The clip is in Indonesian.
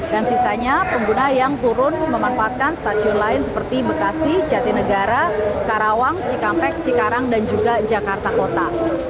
dan sisanya pengguna yang turun memanfaatkan stasiun lain seperti bekasi jatinegara karawang cikampek cikarang dan juga jakarta kota